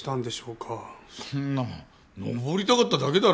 そんなもん登りたかっただけだろう。